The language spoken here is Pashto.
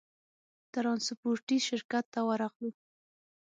ترانسپورټي شرکت ته ورغلو.